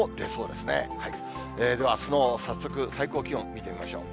では、早速、最高気温、見てみましょう。